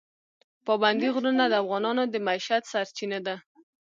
پابندی غرونه د افغانانو د معیشت سرچینه ده.